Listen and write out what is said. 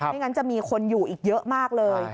ไม่งั้นจะมีคนอยู่อีกเยอะมากเลย